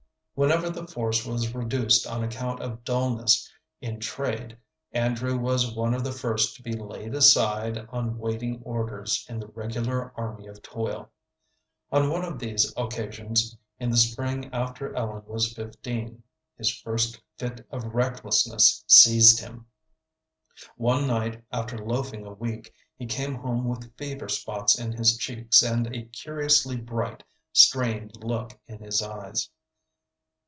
Whenever the force was reduced on account of dulness in trade, Andrew was one of the first to be laid aside on waiting orders in the regular army of toil. On one of these occasions, in the spring after Ellen was fifteen, his first fit of recklessness seized him. One night, after loafing a week, he came home with fever spots in his cheeks and a curiously bright, strained look in his eyes.